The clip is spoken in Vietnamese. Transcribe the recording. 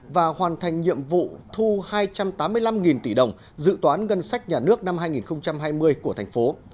và hoàn thành nhiệm vụ thu hai trăm tám mươi năm tỷ đồng dự toán ngân sách nhà nước năm hai nghìn hai mươi của thành phố